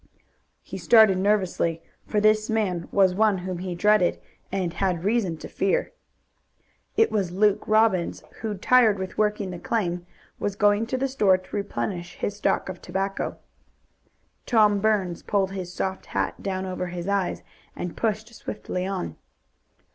He started nervously, for this man was one whom he dreaded, and had reason to fear. It was Luke Robbins, who, tired with working the claim, was going to the store to replenish his stock of tobacco. Tom Burns pulled his soft hat down over his eyes and pushed swiftly on.